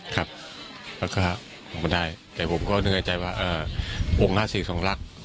แล้วก็ได้แต่ผมก็เหนื่อยใจว่าองค์ห้าศิษย์ของรักห์